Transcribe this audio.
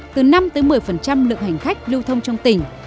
từ năm một mươi lượng hành khách lưu thông trong tỉnh